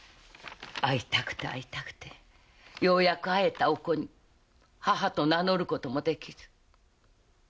会いたくて会いたくてようやく会えたお子に母と名乗ることもできず。